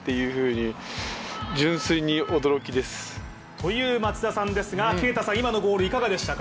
という松田さんですが啓太さん今のゴールいかがでしたか？